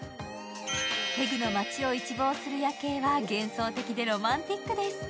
テグの街を一望する夜景は幻想的でロマンチックです。